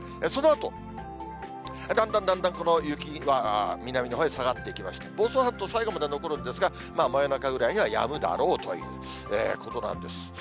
そのあと、だんだんだん、この雪は南のほうへ下がっていきまして、房総半島、最後まで残るんですが、真夜中ぐらいにはやむだろうということなんです。